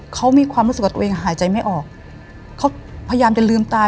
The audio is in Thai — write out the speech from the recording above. เขามีความรู้สึกว่าตัวเองหายใจไม่ออกเขาพยายามจะลืมตา